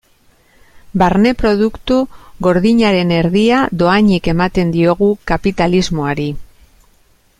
Barne Produktu Gordinaren erdia dohainik ematen diogu kapitalismoari.